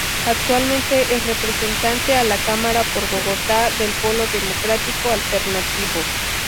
Actualmente es Representante a la Cámara por Bogotá del Polo Democrático Alternativo.